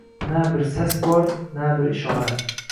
Na bir sas bor, na bir ishora